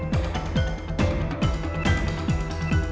ya gitu au